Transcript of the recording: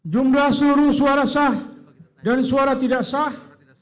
jumlah suruh suara sah dan suara tidak sah